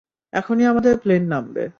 এখনই আমাদের প্লেন নামবে।